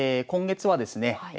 今月はですね